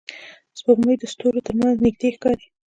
سپوږمۍ د ستورو تر منځ نږدې ښکاري